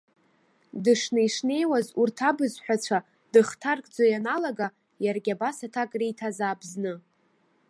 Дышнеи-шнеиуаз урҭ абызҳәацәа дыхҭаркӡо ианалага, иаргьы абас аҭак риҭазаап зны.